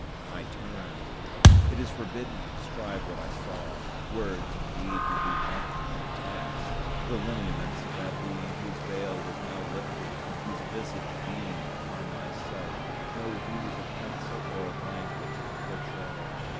I turned. It is forbidden to describe what I saw: words, indeed, would be wanting to the task. The lineaments of that Being whose veil was now lifted and whose visage beamed upon my sight, no hues of pencil or of language can portray.